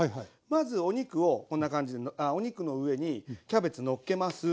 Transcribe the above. まずお肉をこんな感じであお肉の上にキャベツのっけます。